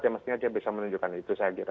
dia mestinya dia bisa menunjukkan itu saya kira